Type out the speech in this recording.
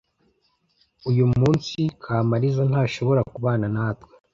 Uyu munsi, Kamariza ntashobora kubana natwe.